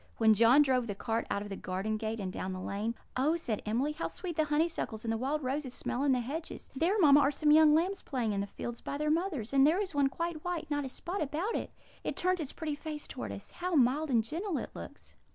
When John drove the cart out of the garden gate and down the lane, "Oh," said Emily, "how sweet the honeysuckles and the wild roses smell in the hedges! There, mamma, are some young lambs playing in the fields by their mothers; and there is one quite white not a spot about it. It turns its pretty face towards us. How mild and gentle it looks!"